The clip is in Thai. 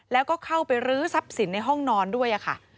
แล้วก็เข้าไปรื้อทรัพย์สินในห้องนอนด้วยค่ะ